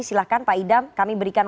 silahkan pak idam kami berikan